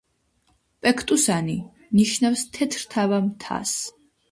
პექტუსანი ნიშნავს „თეთრთავა მთას“.